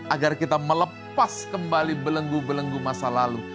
agar kita melepas kembali belenggu belenggu masa lalu